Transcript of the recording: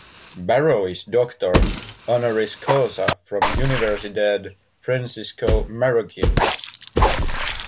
Barro is doctor "honoris causa" from Universidad Francisco Marroquin.